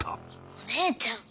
お姉ちゃん